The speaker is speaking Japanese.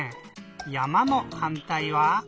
「山」のはんたいは？